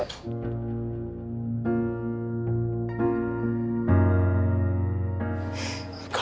kalo gue di penjara